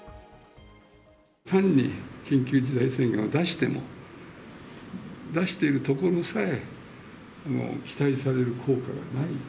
単に緊急事態宣言を出しても、出している所さえ、期待される効果がない。